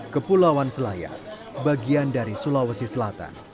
kepulauan selayar bagian dari sulawesi selatan